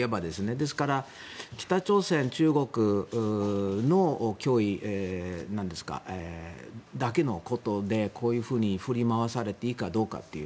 ですから北朝鮮、中国の脅威だけのことでこういうふうに振り回されていいかどうかという。